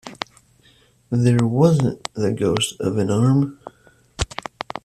There wasn't the ghost of an arm!